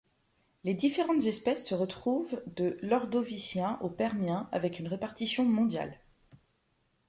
Les différentes espèces se retrouvent de l'Ordovicien au Permien avec un répartition mondiale.